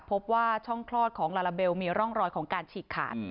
พบว่าช่องคลอดของลาลาเบลมีร่องรอยของการฉีกขาด